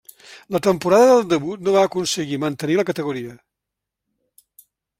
La temporada del debut no va aconseguir mantenir la categoria.